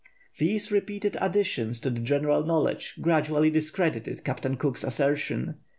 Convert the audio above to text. These repeated additions to the general knowledge gradually discredited Captain Cook's assertion.